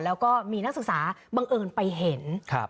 แล้วก็มีนักศึกษาบังเอิญไปเห็น